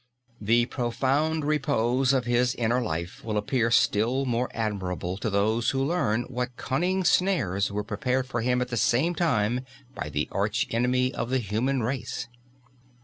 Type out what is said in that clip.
The profound repose of his inner life will appear still more admirable to those who learn what cunning snares were prepared for him at the same time by the arch enemy of the human race.